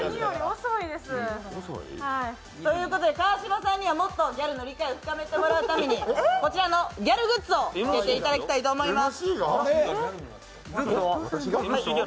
遅いです。ということで川島さんにはもっとギャルの理解を深めてもらうためにこちらのギャルグッズを身につけていただきます。